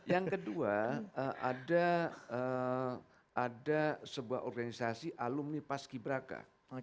yang kedua ada sebuah organisasi alumni pas ki braka